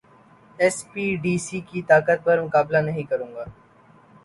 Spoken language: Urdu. ایس پی، ڈی سی کی طاقت پر مقابلہ نہیں کروں گا